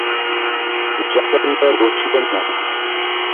জাকারিয়া বসলেন না।